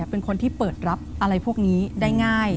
เป็นคนที่เปิดรับอะไรพวกนี้ได้ง่าย